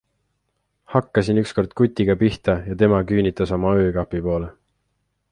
Hakkasin ükskord kutiga pihta ja tema küünitas oma öökapi poole.